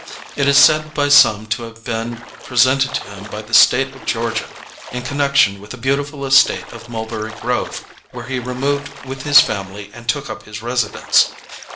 It is said by some to have been presented to him by the State of Georgia in connection with the beautiful estate of Mulberry Grove, where he removed with his family and took up his residence.